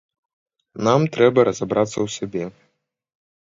Нам трэба разабрацца ў сабе.